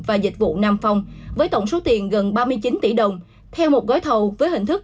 và dịch vụ nam phong với tổng số tiền gần ba mươi chín tỷ đồng theo một gói thầu với hình thức